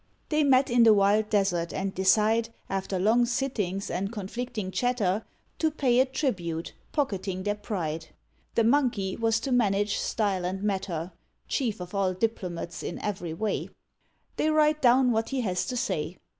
They met in the wild desert and decide, After long sittings and conflicting chatter, To pay a tribute, pocketing their pride. The Monkey was to manage style and matter (Chief of all diplomats in every way); They write down what he has to say.